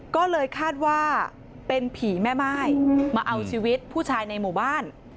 ก็เลยคาดว่าเป็นผีแม่ม่ายมาเอาชีวิตผู้ชายในหมู่บ้าน